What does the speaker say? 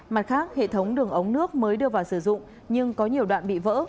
mặt khác hệ thống đường ống nước mới đưa vào sử dụng nhưng có nhiều đoạn bị vỡ